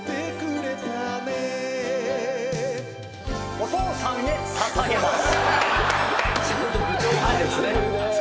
お父さんへ捧げます。